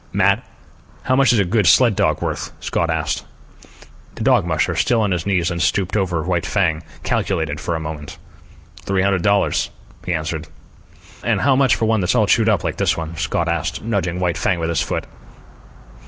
"Matt, how much is a good sled dog worth?" Scott asked. The dog musher, still on his knees and stooped over White Fang, calculated for a moment. "Three hundred dollars," he answered. "And how much for one that's all chewed up like this one?" Scott asked, nudging White Fang with his foot.